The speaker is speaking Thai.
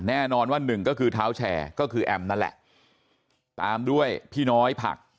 แน่นอนว่าหนึ่งก็คือเท้าแชร์ก็คือแอมนั่นแหละตามด้วยพี่น้อยผัก